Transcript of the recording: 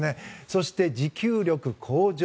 そして、持久力向上。